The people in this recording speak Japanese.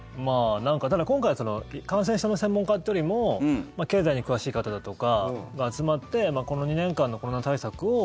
ただ、今回は感染症の専門家というよりも経済に詳しい方だとかが集まってこの２年間のコロナ対策を。